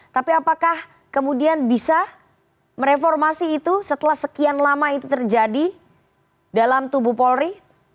tapi apakah kemudian bisa mereformasi itu setelah sekian lama itu terjadi dalam tubuh polri